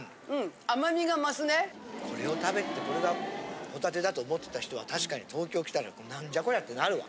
これを食べてこれがホタテだと思ってた人は確かに東京来たらなんじゃこりゃってなるわ。